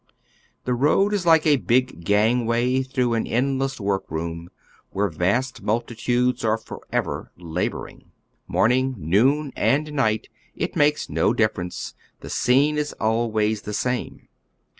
The I'oad is like a big gangway through an endless work room where vast multi tudes are forever laboring. Morning, noon, or night, it makes no difference ; the scene is always the same.